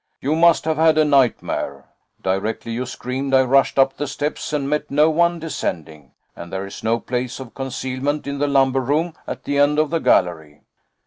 You must have had a nightmare. Directly you screamed I rushed up the steps, and met no one descending; and there is no place of concealment in the lumber room at the end of the gallery."